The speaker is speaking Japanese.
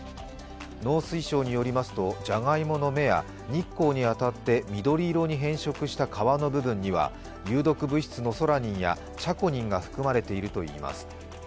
農水省によりますと、じゃがいもの芽や日光に当たって緑色に変色した皮の部分には有毒物質のソラニンやチャコニンが含まれているといいます。